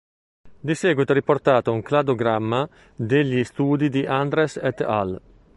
Di seguito è riportato un cladogramma degli studi di Andres et al.